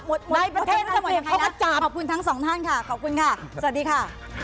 หมดเวลาประเทศจะหมดยังไงล่ะขอบคุณทั้งสองท่านค่ะขอบคุณค่ะสวัสดีค่ะ